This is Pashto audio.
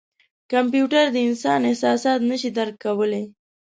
کمپیوټر د انسان احساسات نه شي درک کولای.